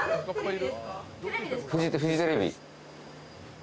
フジテレビ。